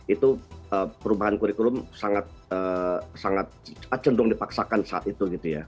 itu perubahan kurikulum sangat cenderung dipaksakan saat itu gitu ya